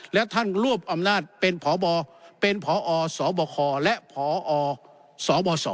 และท่านรวบอำนาจเป็นพบเป็นพอสบคและพอสบส